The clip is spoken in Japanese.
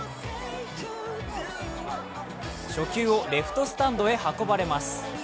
初球をレフトスタンドへ運ばれます。